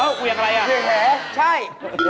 เวี่ยงอะไร